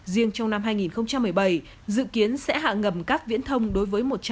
riêng trong năm hai nghìn một mươi bảy dự kiến sẽ hạ ngầm các viễn thông đối với một trăm hai mươi tuyến phố